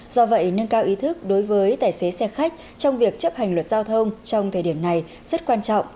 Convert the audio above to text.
do vậy nâng cao ý thức đối với tài xế xe khách trong việc chấp hành luật giao thông trong thời điểm này rất quan trọng